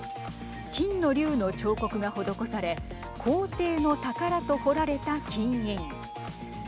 金の竜の彫刻が施され皇帝の宝と彫られた金印。